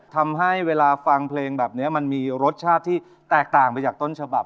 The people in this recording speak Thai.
ทำให้เวลาฟังเพลงแบบนี้มันมีรสชาติที่แตกต่างไปจากต้นฉบับ